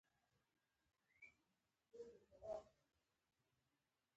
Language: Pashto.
انرژی په زغم پاتې کېږي.